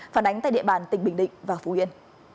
phản ánh tại địa bàn tỉnh bình định và phú yên